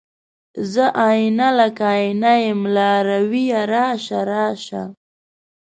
زه آئينه، لکه آئینه یم لارویه راشه، راشه